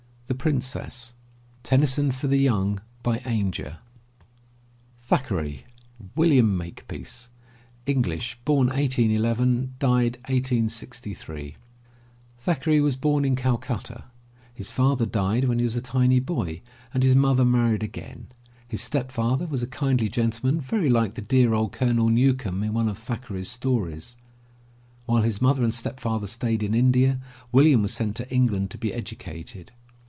The Princess. Tennyson for the Young by Ainger, i6s MY BOOK HOUSE THACKERAY, WILLIAM MAKEPEACE (English, 1811 1863) Thackeray was bom in Calcutta. His father died when he was a tiny boy and his mother married again. His step father was a kindly gentleman very like the dear old Colonel Newcome in one of Thackeray's stories. While his mother and stepfather stayed in India, William was sent to England to be educated.